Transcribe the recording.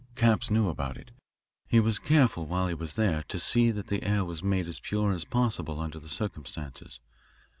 Capps knew about it. He was careful while he was there to see that the air was made as pure as possible under the circumstances.